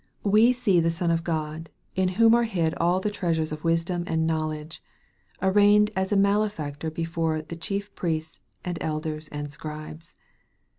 We see the Son of God, " in whom are hid all the treasures of wisdom and knowledge/' arraigned as a malefactor before " the chief priests, and elders, and scribes."